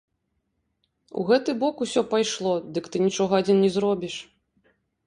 У гэты бок усё пайшло, дык ты нічога адзін не зробіш.